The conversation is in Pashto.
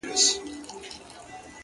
په کومه ورځ چي مي ستا پښو ته سجده وکړله ـ